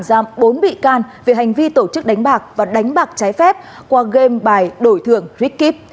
giam bốn bị can về hành vi tổ chức đánh bạc và đánh bạc trái phép qua game bài đổi thường rick kíp